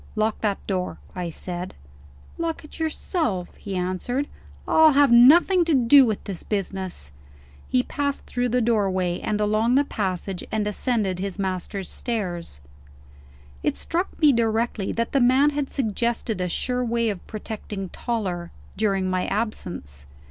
"Lock that door," I said. "Lock it yourself," he answered; "I'll have nothing to do with this business." He passed through the doorway, and along the passage, and ascended his master's stairs. It struck me directly that the man had suggested a sure way of protecting Toller, during my absence.